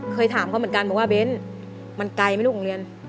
เคยถามเขาเหมือนกันบอกว่าเบ้นมันไกลไหมลูกโรงเรียน